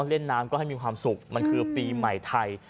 เล่นน้ำก็ให้มีความสุขมันคือปีใหม่ไทย